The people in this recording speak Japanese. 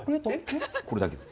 これだけです。